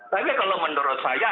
tapi kalau menurut saya